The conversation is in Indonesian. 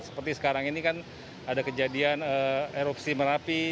seperti sekarang ini kan ada kejadian erupsi merapi